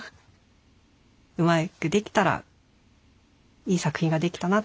うまくできたらいい作品ができたなって。